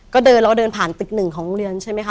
ก็เดินแล้วก็เดินผ่านตึกหนึ่งของโรงเรียนใช่ไหมคะ